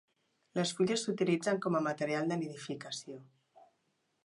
Les fulles s'utilitzen com a material de nidificació.